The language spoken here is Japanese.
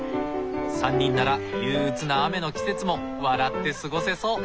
３人なら憂鬱な雨の季節も笑って過ごせそう。